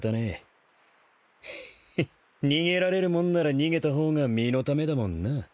ヘッ逃げられるもんなら逃げた方が身のためだもんな。